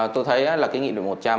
tôi thấy là cái nghị định một trăm linh